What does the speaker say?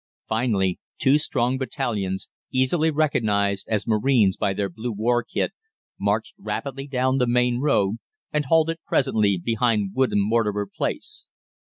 "Finally, two strong battalions, easily recognised as marines by their blue war kit, marched rapidly down the main road and halted presently behind Woodham Mortimer Place.